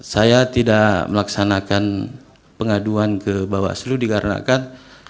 saya tidak melaksanakan pengaduan ke bawaslu dikarenakan